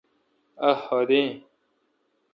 اؘ حد اؘئ۔